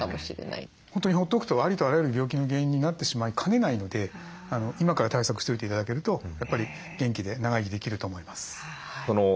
本当にほっとくとありとあらゆる病気の原因になってしまいかねないので今から対策しておいて頂けるとやっぱり元気で長生きできると思います。